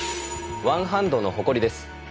「ワンハンドの誇り」です。